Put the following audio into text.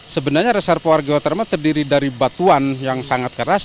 sebenarnya reservoir geotermal terdiri dari batuan yang sangat keras